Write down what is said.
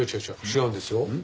違うんですよ。